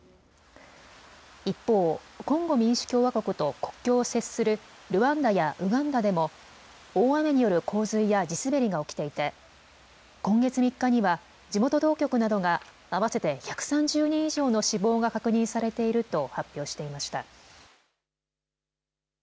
一方、コンゴ民主共和国と国境を接するルワンダやウガンダでも大雨による洪水や地滑りが起きていて今月３日には地元当局などが合わせて１３０人以上の死亡が確認されていると発表していました。